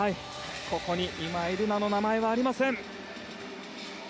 ここに今井月の名前はありません。